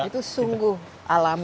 itu sungguh alami